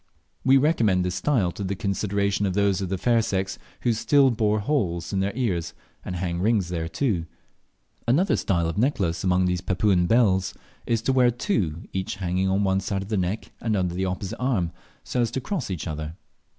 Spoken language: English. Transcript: We recommend this style to the consideration of those of the fair sex who still bore holes in their ears and hang rings thereto. Another style of necklace among these Papuan belles is to wear two, each hanging on one side of the neck and under the opposite arm, so as to cross each other.